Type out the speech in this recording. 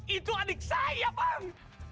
itu adik saya bang